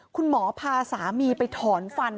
คุณหมอพาสามีไปถอนฟัน